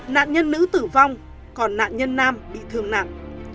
nạn nhân nữ tử vong còn nạn nhân nam bị thương nặng